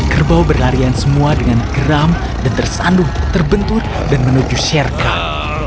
kerbau berlarian semua dengan geram dan tersandung terbentur dan menuju sher cup